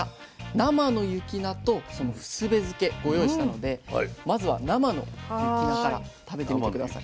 生の雪菜とふすべ漬ご用意したのでまずは生の雪菜から食べてみて下さい。